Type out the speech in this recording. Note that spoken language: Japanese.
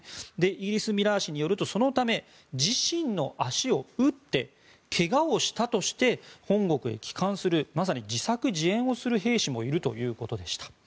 イギリス、ミラー紙によるとそのため自身の足を撃って怪我をしたとして本国へ帰還するまさに自作自演をする兵士もいるということでした。